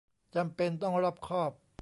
จำเป็นต้องรอบคอบ